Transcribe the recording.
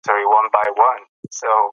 زما ژوند په یوه نري تار پورې تړلی دی.